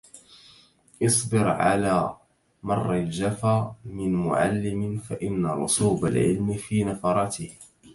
اصبر على مـر الجفـا من معلم... فإن رسوب العلم في نفراته